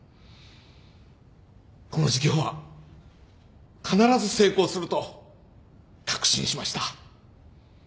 この事業は必ず成功すると確信しました。